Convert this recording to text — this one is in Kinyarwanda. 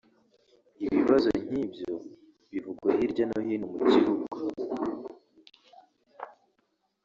Ibibazo nk’ibyo bivugwa hirya no hino mu gihugu